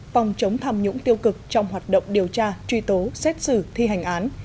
phòng chống tham nhũng tiêu cực trong hoạt động điều tra truy tố xét xử thi hành án